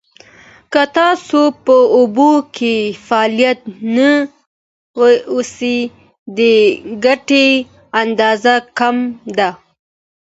که تاسو په اوبو کې فعال نه اوسئ، د ګټې اندازه کمه ده.